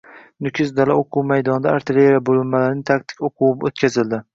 “Nukus” dala-o‘quv maydonida artilleriya bo‘linmalarining taktik o‘quvi o‘tkazildi